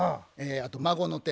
あと孫の手。